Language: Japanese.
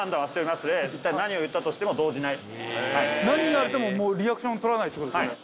何があってもリアクションを取らないってことですよね。